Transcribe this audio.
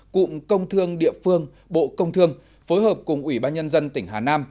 cụm công thương địa phương bộ công thương phối hợp cùng ủy ban nhân dân tỉnh hà nam